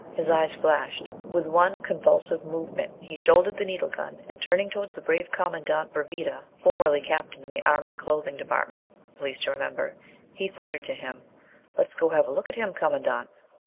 His eyes flashed. With one convulsive movement he shouldered the needle gun, and turning towards the brave Commandant Bravida (formerly captain in the Army Clothing Department, please to remember), he thundered to him "Let's go have a look at him, commandant."